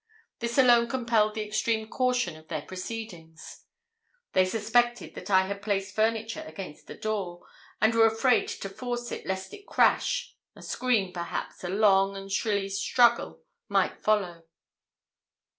This alone compelled the extreme caution of their proceedings. They suspected that I had placed furniture against the door, and were afraid to force it, lest a crash, a scream, perhaps a long and shrilly struggle, might follow.